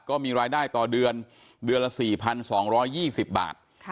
ก็มีรายได้ต่อเดือนเดือนละ๔๒๒๐บาท